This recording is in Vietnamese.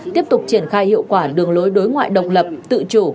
tiếp tục triển khai hiệu quả đường lối đối ngoại độc lập tự chủ